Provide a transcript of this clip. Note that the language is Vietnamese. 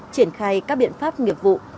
triển khai các biện pháp nghiệp vụ